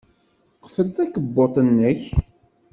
Qfel takebbuḍt-nnek.